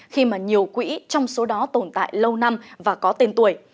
khi mà nhiều quỹ trong số đó tồn tại lâu năm và có tên tuổi